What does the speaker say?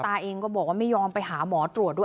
ตาเองก็บอกว่าไม่ยอมไปหาหมอตรวจด้วย